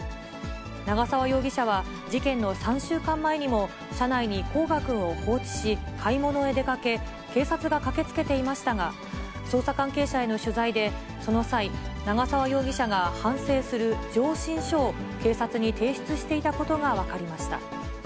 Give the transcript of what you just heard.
長沢容疑者は、事件の３週間前にも、車内に煌翔くんを放置し、買い物へ出かけ、警察が駆けつけていましたが、捜査関係者への取材で、その際、長沢容疑者が反省する上申書を警察に提出していたことが分かりました。